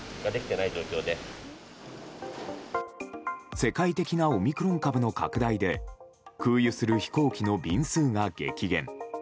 世界的なオミクロン株の拡大で空輸する飛行機の便数が激減。